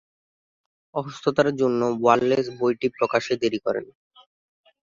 অসুস্থতার জন্য ওয়ালেস বইটি প্রকাশে দেরি করেন।